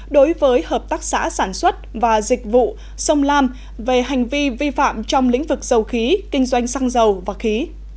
đối với hợp tác xã sản xuất và dịch vụ sông lam về hành vi vi phạm trong lĩnh vực dầu khí kinh doanh xăng dầu và khí